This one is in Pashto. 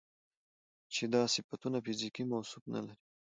چې دا صفتونه فزيکي موصوف نه لري